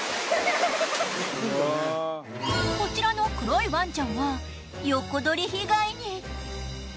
こちらの黒いワンちゃんは横取り被害に。